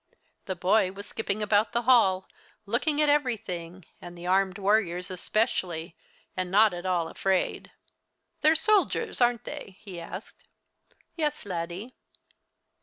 The boy was skipping about the hall, looking at everything, the armed warriors especially, and not at all afraid. "They're soldiers, aren't they?" he asked. "Yes, Laddie."